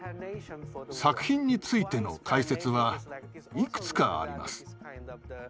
作品についての解説はいくつかあります。